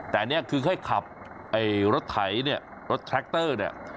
แต่อันนี้คือให้ขับรถไถเนี่ยรถแทรคเตอร์เนี่ย